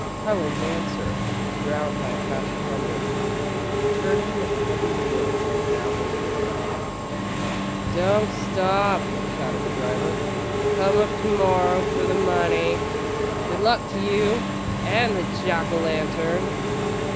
Harlan's answer was drowned by a crash of thunder and the turning of the heavy wheels on the gravelled road. "Don't stop," shouted the driver; "I'll come up to morrer for the money. Good luck to you an' the Jack o' Lantern!"